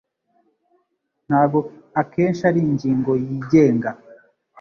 ntago akenshi ari ingingo yigenga